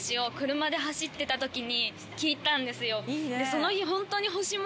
その日ホントに。